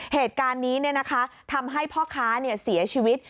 เหตุการณ์นี้ทำให้พ่อค้าเสียชีวิต